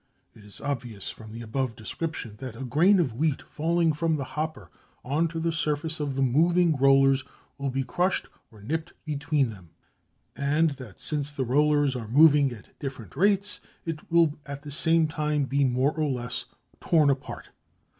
It is obvious from the above description that a grain of wheat falling from the hopper on to the surface of the moving rollers will be crushed or nipped between them, and that since the rollers are moving at different rates, it will at the same time be more or less torn apart.